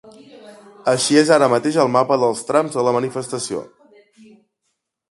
Així és ara mateix el mapa dels trams de la manifestació.